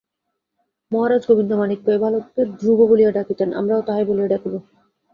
মহারাজ গোবিন্দমাণিক্য এই বালককে ধ্রুব বলিয়া ডাকিতেন, আমরাও তাহাই বলিয়া ডাকিব।